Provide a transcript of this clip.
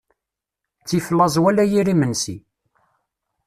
Ttif laẓ wala yir imensi.